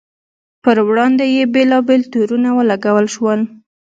پر وړاندې یې بېلابېل تورونه ولګول شول.